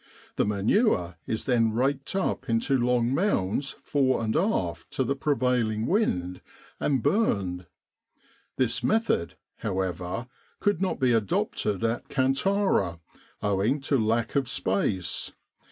The manure is then raked up into long mounds fore and aft to the pre vailing wind, and burned. This method, however, could not be adopted at Kantara owing to lack of space.